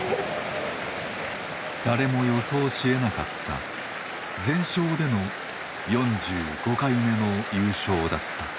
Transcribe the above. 誰も予想しえなかった全勝での４５回目の優勝だった。